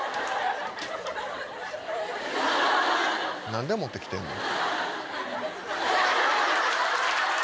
何で持って来てんの？